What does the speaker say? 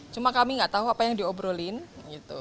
cuma kami gak tahu apa yang diobrolin gitu